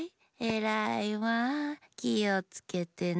えらいわきをつけてね。